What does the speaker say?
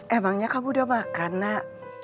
emangnya kamu udah makan nak